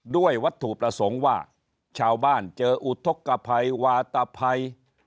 ด้วยวัตถุประสงค์ว่าชาวบ้านเจออุทธกภัยวาตภัย